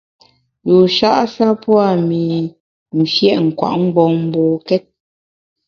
Yusha’ sha pua’ mi mfiét nkwet mgbom mbokét.